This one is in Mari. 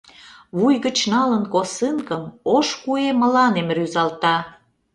Вуй гыч налын косынкым, Ош куэ мыланем рӱзалта.